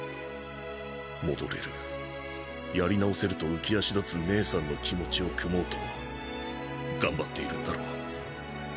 戻れるやり直せると浮き足立つ姉さんの気持ちを酌もうと頑張っているんだろう！？